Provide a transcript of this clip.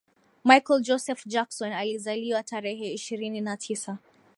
Michael Joseph Jackson alizaliwa tarehe ishirini na tisa